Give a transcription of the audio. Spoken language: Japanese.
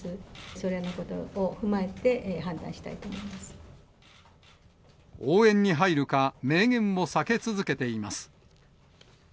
それらを踏まえて判断したいと思応援に入るか、明言を避け続けています。